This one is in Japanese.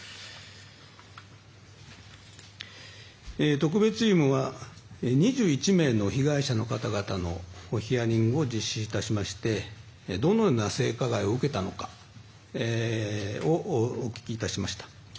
特別チームは２１名の被害者の方々のヒアリングを実施いたしましてどのような性加害を受けたのかをお聞きいたしました。